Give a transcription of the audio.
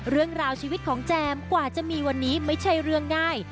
เรื่องราวชีวิตของแจมกว่าจะมีวันนี้ไม่ใช่เรื่องง่าย